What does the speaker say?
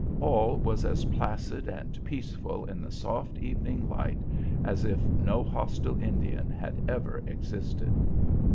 All was as placid and peaceful in the soft evening light as if no hostile Indian had ever existed.